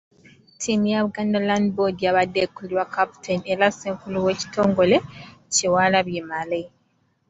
Ttiimu ya Buganda Land Board yabadde ekulirwa kkaputeeni era Ssenkulu w’ekitongole, Kyewalabye Male.